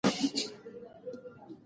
انټرنیټ د نوښتګرو کسانو ملاتړ کوي.